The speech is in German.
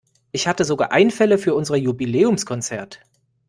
Ich hatte sogar Einfälle für unser Jubiläumskonzert.